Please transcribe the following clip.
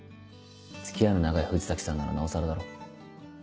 付き合いの長い藤崎さんならなおさらだろ。